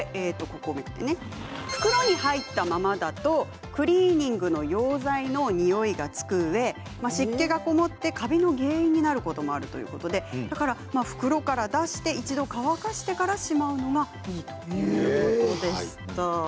袋に入ったままだとクリーニングの溶剤のにおいがつくうえ、湿気がこもってカビの原因になることもあるということで袋から出して一度乾かしてからしまうのがいいということです。